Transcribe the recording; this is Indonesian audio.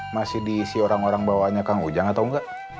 masih diisi orang orang bawahnya kang ujang atau enggak